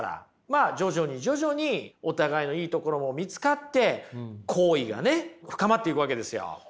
まあ徐々に徐々にお互いのいいところも見つかって好意がね深まっていくわけですよ。